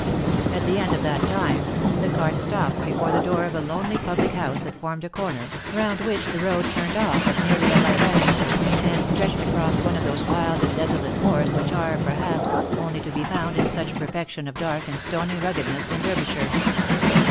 At the end of that time, the cart stopped before the door of a lonely public house that formed a corner, round which the road turned off at nearly a right angle, and stretched across one of those wild and desolate moors which are, perhaps, only to be found in such perfection of dark and stoney ruggedness in Derbyshire.